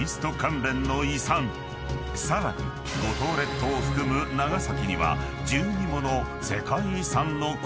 ［さらに五島列島を含む長崎には］